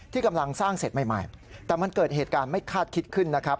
กำลังสร้างเสร็จใหม่แต่มันเกิดเหตุการณ์ไม่คาดคิดขึ้นนะครับ